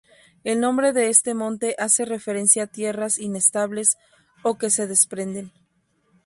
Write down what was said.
El nombre de este monte hace referencia a tierras inestables, o que se desprenden.